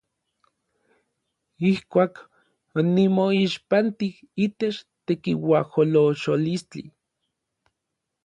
Ijkuak onimoixpantij itech tekiuajolocholistli.